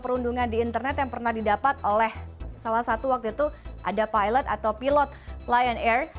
perundungan di internet yang pernah didapat oleh salah satu waktu itu ada pilot atau pilot lion air